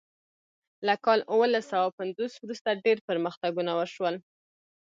له کال اوولس سوه پنځوس وروسته ډیر پرمختګونه وشول.